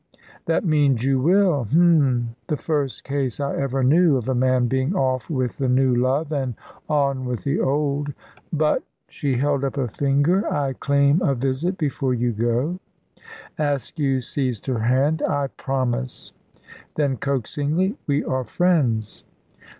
"That means, you will. H'm! The first case I ever knew of a man being off with the new love and on with the old. But" she held up a finger "I claim a visit before you go." Askew seized her hand. "I promise!" Then, coaxingly: "We are friends!"